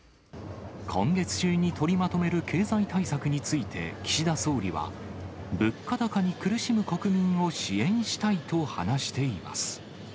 今月中に取りまとめる経済対策について、岸田総理は、物価高に苦しむ国民を支援したいと話しています。